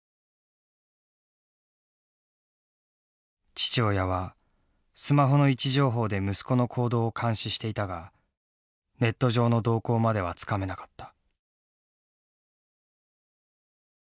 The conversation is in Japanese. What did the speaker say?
父親はスマホの位置情報で息子の行動を監視していたがネット上の動向まではつかめなかった。